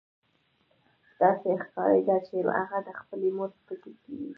داسې ښکارېده چې هغه د خپلې مور په فکر کې و